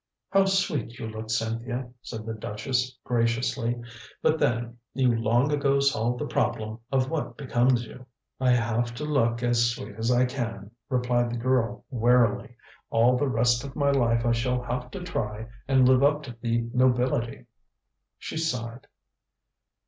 "How sweet you look, Cynthia," said the duchess graciously. "But then, you long ago solved the problem of what becomes you." "I have to look as sweet as I can," replied the girl wearily. "All the rest of my life I shall have to try and live up to the nobility." She sighed.